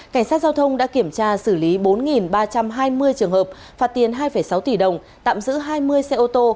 cảnh sát giao thông đã kiểm tra xử lý bốn ba trăm hai mươi trường hợp phạt tiền hai sáu tỷ đồng tạm giữ hai mươi xe ô tô